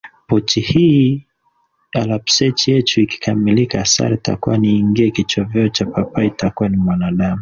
Pochi hii alapsechi echu ikikamilika asari takuva ningii kichoveo cha papaa itakuva ni mwanadamu.